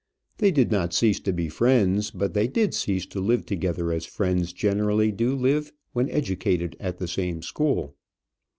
They did not cease to be friends, but they did cease to live together as friends generally do live when educated at the same school.